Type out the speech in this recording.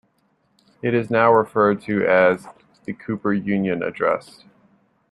It is now referred to as the Cooper Union Address.